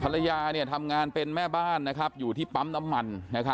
ภรรยาทำงานเป็นแม่บ้านอยู่ที่ปั๊มน้ำมัน